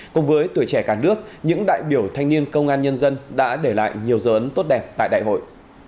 cùng với tuổi trẻ cả nước những đại biểu thanh niên công an nhân dân đã để lại nhiều dấu ấn tốt đẹp tại đại hội